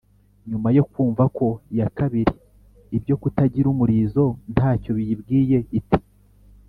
nyuma yo kumva ko iya kabiri ibyo kutagira umurizo nta cyo biyibwiye, iti